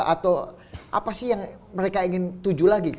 atau apa sih yang mereka ingin tuju lagi